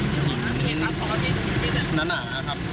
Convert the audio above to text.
มันหนาครับ